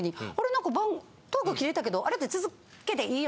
なんかトーク切れたけどあれって続けていいよね？